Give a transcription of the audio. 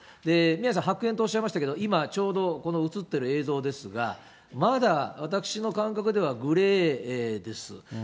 宮根さん、白煙とおっしゃいましたけれども、今映っている映像ですと、まだ私の感覚ではグレーです。